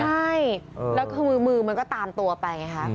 ใช่แล้วคือมือมันก็ตามตัวไปไงคะ